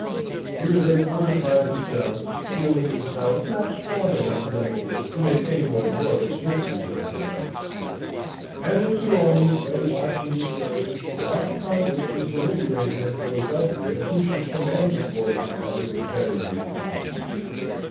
Here they fortified themselves, feeling themselves not strong enough for the moment to win any more glorious victories over the rebels; and the two armies lay watching each other whilst Congress was deliberating at Philadelphia who should command the forces of the confederated colonies.